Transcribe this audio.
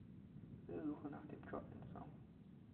Bitte suche nach dem Drop-In-Song.